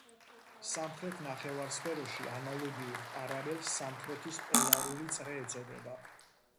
სამხრეთ ნახევარსფეროში ანალოგიურ პარალელს სამხრეთის პოლარული წრე ეწოდება.